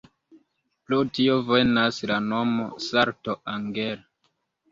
Pro tio venas la nomo "Salto Angel".